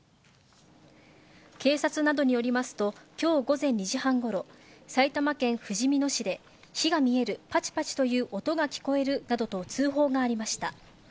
警察などによりますと、きょう午前２時半ごろ、埼玉県ふじみ野市で、火が見える、ぱちぱちという音が聞こえるなどと通報がありました。